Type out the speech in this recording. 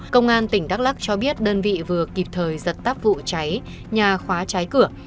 công an tỉnh đắk lắc cho biết đơn vị vừa kịp thời giật tắp vụ cháy nhà khóa cháy cửa